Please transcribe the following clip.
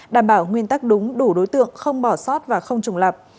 đảm bảo nguyên tắc đúng đủ đối tượng không bỏ sót và không trùng lập